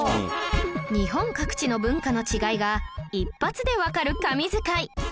日本各地の文化の違いが一発でわかる神図解